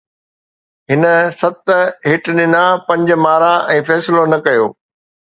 هن ست هٽ ڏنا، پنج مارا ۽ فيصلو نه ڪيو